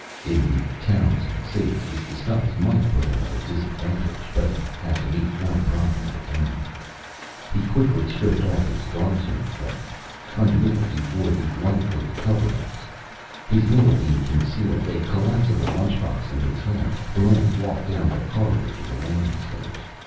In the towns and cities, this disguise might put him at a disadvantage; but he had to meet one problem at a time. He quickly stripped off his guard's uniform. Underneath he wore the lightweight coveralls. His needlebeam concealed, a collapsible lunchbox in his hand, Barrent walked down the corridor to the landing stage.